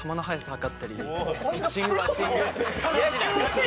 測ったりピッチングバッティング